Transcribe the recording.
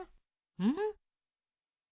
うん？